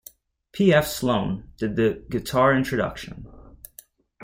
P. F. Sloan did the guitar introduction.